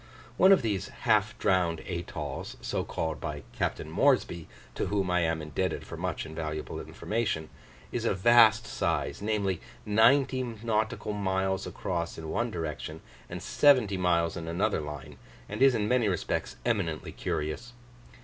One of these "half drowned atolls," so called by Capt. Moresby (to whom I am indebted for much invaluable information), is of vast size, namely, ninety nautical miles across in one direction, and seventy miles in another line; and is in many respects eminently curious.